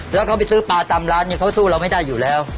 แล้วเขาไปซื้อปลาตามร้านเนี่ยเขาสู้เราไม่ได้อยู่แล้ว